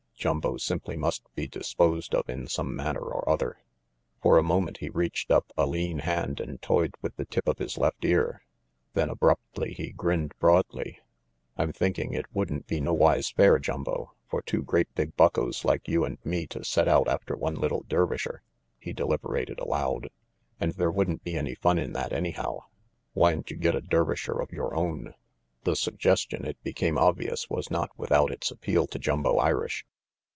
Jumbo simply must be disposed of in some manner or other. For a moment he reached up a lean hand and toyed with the tip of his left ear. Then abruptly he grinned broadly. 66 RANGY PETE "I'm thinking it wouldn't be nowise fair, Juml for two great big buckos like you and me to set out after one little Dervisher," he deliberated aloud, "and there wouldn't be any fun in that anyhow! Whyn't you get a Dervisher of your own?" The suggestion, it became obvious, was not with out its appeal to Jumbo Irish.